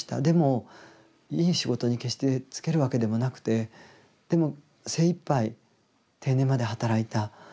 でもいい仕事に決して就けるわけでもなくてでも精いっぱい定年まで働いた。